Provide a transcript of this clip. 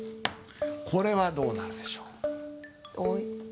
これはどうなるでしょう？